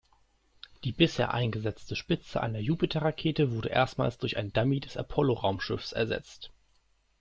Die bisher eingesetzte Spitze einer Jupiter-Rakete wurde erstmals durch einen Dummy des Apollo-Raumschiffs ersetzt.